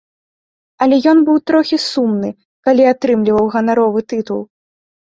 Але ён быў трохі сумны, калі атрымліваў ганаровы тытул.